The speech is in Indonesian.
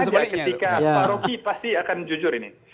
sama aja ketika pak roky pasti akan jujur ini